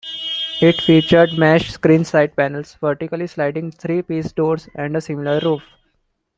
It featured mesh screen side panels, vertically sliding three-piece doors, and a similar roof.